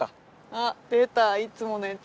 あっ出たいつものやつ。